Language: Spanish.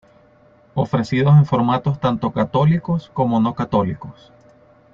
Ofrecidos en formatos tanto católicos como no católicos.